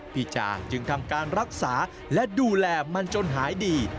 จางจึงทำการรักษาและดูแลมันจนหายดี